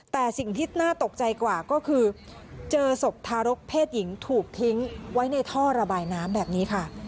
แต่สิ่งที่น่าตกใจกว่าก็คือเจอศพทารกเพศหญิงถูกทิ้งไว้ในท่อระบายน้ำแบบนี้ค่ะ